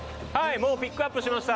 もうピックアップしました。